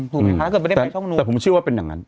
ถูกไหมคะถ้าเกิดไม่ได้เป็นช่องนู้นแต่ผมเชื่อว่าเป็นอย่างนั้น